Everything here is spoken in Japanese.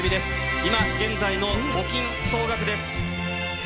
今現在の募金総額です。